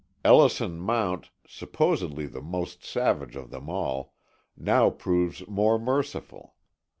Ellison Mount, supposedly the most savage of them all, now proves more merciful.